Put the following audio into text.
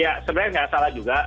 ya sebenarnya nggak salah juga